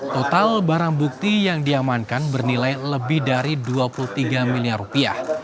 total barang bukti yang diamankan bernilai lebih dari dua puluh tiga miliar rupiah